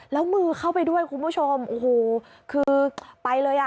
แล้วมือเข้าไปด้วยคุณผู้ชมคือไปเลย